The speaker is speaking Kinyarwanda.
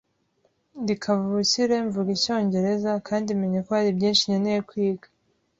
Ndi kavukire mvuga Icyongereza kandi menye ko hari byinshi nkeneye kwiga